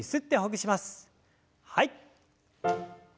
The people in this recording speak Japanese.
はい。